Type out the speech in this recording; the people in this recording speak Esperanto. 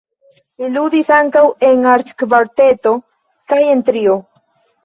Li ludis ankaŭ en arĉkvarteto kaj en trio.